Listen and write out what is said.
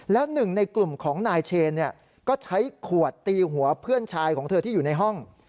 แล้วหนึ่งในกลุ่มของนายเชนก็ใช้ขวดตีหัวเพื่อนชายของเธอที่อยู่ในห้อง